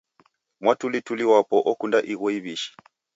Mwatulituli wapo okunda igho iwi'shi